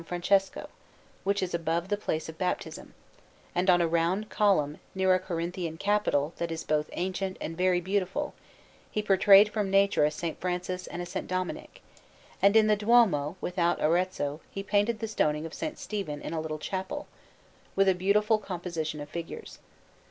Francesco, which is above the place of baptism; and on a round column, near a Corinthian capital that is both ancient and very beautiful, he portrayed from nature a S. Francis and a S. Dominic; and in the Duomo without Arezzo he painted the Stoning of S. Stephen in a little chapel, with a beautiful composition of figures.